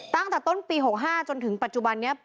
ตั้งแต่ต้นปี๖๕จนถึงปัจจุบันนี้